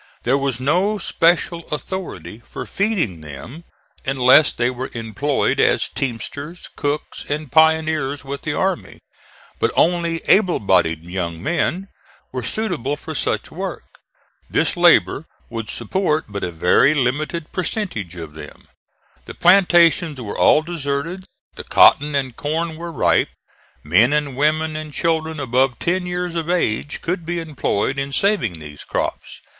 There was no special authority for feeding them unless they were employed as teamsters, cooks and pioneers with the army; but only able bodied young men were suitable for such work. This labor would support but a very limited percentage of them. The plantations were all deserted; the cotton and corn were ripe: men, women and children above ten years of age could be employed in saving these crops.